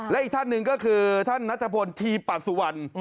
และอีกท่านหนึ่งก็คือท่านนัทพลทีปัสสุวรรณ